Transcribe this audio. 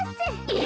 え？